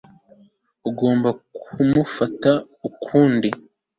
ugomba kumufata ukundi